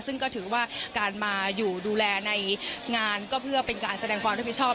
ซึ่งก็ถือว่าการมาอยู่ดูแลในงานก็เพื่อเป็นการแสดงความรับผิดชอบ